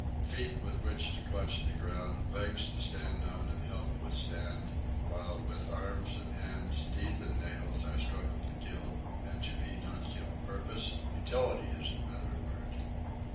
"Feet with which to clutch the ground, legs to stand on and to help withstand, while with arms and hands, teeth and nails, I struggle to kill and to be not killed. Purpose? Utility is the better word."